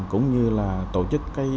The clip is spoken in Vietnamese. cũng như là tổ chức